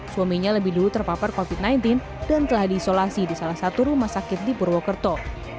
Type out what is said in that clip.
suaminya lebih dulu terpapar covid sembilan belas dan telah diisolasi di salah satu rumah sakit di purwokerto